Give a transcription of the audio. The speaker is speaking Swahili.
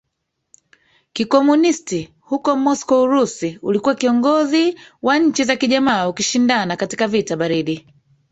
kikomunisti huko MoscowUrusi ulikuwa kiongozi wa nchi za kijamaa ukishindana katika vita baridi